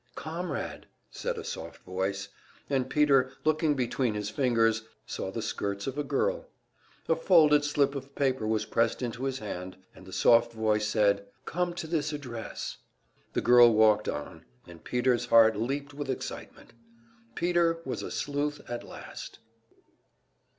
"Comrade," said a soft voice, and Peter, looking between his fingers, saw the skirts of a girl. A folded slip of paper was pressed into his hand and the soft voice said: "Come to this address." The girl walked on, and Peter's heart leaped with excitement. Peter was a sleuth at last!